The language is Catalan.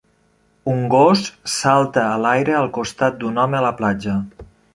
Un gos salta a l'aire al costat d'un home a la platja.